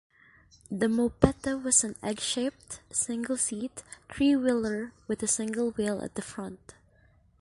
The Mopetta was an egg-shaped, single-seat, three-wheeler, with a single wheel at the front.